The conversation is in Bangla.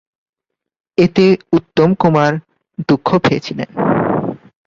এতে উত্তম কুমার দুঃখ পেয়ে ছিলেন।